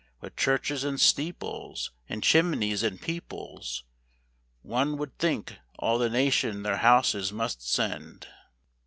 What churches and steeples, And chimneys, and peoples: One would think all the nation their houses must send.